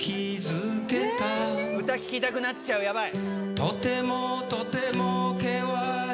歌聴きたくなっちゃうやばい